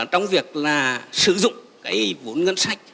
trong việc là sử dụng cái vốn ngân sách